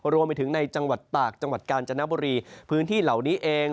รวมไปถึงในจังหวัดตากจังหวัดกาญจนบุรีพื้นที่เหล่านี้เอง